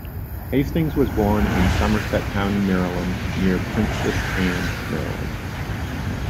Hastings was born in Somerset County, Maryland, near Princess Anne, Maryland.